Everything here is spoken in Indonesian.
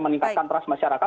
meningkatkan trust masyarakat